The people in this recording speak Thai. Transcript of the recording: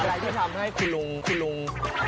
อะไรที่ทำให้ครูลุง